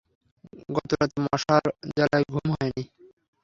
গতরাতে মশার জ্বালায় ঘুম হয়নি।